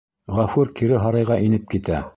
Ғәфүр кире һарайға инеп китә.